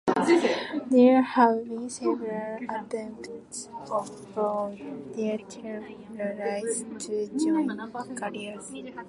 There have been several attempts from these territories to join Galicia.